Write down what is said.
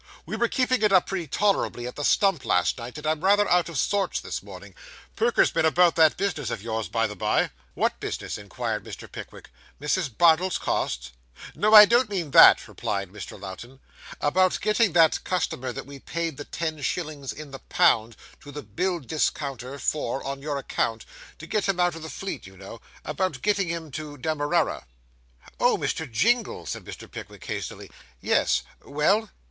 'We were keeping it up pretty tolerably at the Stump last night, and I'm rather out of sorts this morning. Perker's been about that business of yours, by the bye.' 'What business?' inquired Mr. Pickwick. 'Mrs. Bardell's costs?' 'No, I don't mean that,' replied Mr. Lowten. 'About getting that customer that we paid the ten shillings in the pound to the bill discounter for, on your account to get him out of the Fleet, you know about getting him to Demerara.' 'Oh, Mr. Jingle,' said Mr. Pickwick hastily. 'Yes. Well?